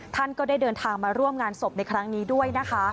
ท่านก็ได้เดินทางมาร่วมงานศพในครั้งนี้ด้วยนะคะ